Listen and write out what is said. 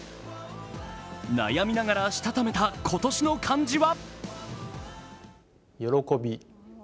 悩みながらしたためた今年の漢字は？